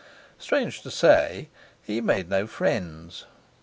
Strange to say, he made no friends.